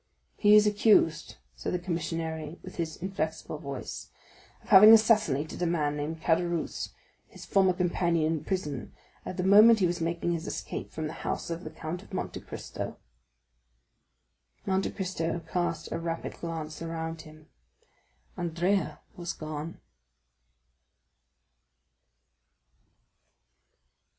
"He is accused," said the commissary with his inflexible voice, "of having assassinated the man named Caderousse, his former companion in prison, at the moment he was making his escape from the house of the Count of Monte Cristo." Monte Cristo cast a rapid glance around him. Andrea was gone.